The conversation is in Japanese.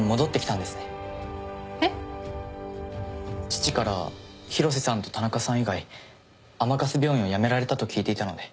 父から広瀬さんと田中さん以外甘春病院を辞められたと聞いていたので。